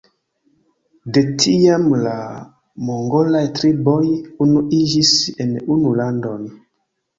De tiam la mongolaj triboj unuiĝis en unu landon.